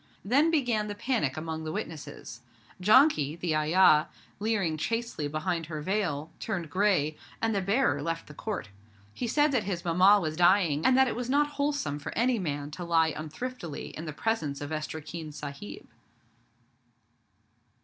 Then began the panic among the witnesses. Janki, the ayah, leering chastely behind her veil, turned grey, and the bearer left the Court. He said that his Mamma was dying, and that it was not wholesome for any man to lie unthriftily in the presence of 'Estreekin Sahib'.